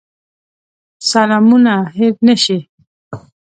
سلامونه هېر نه شي.